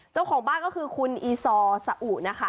เจ้าของบ้านก็คือคุณอีซอสะอุนะคะ